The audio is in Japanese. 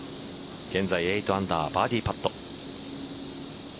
現在、８アンダーバーディーパット。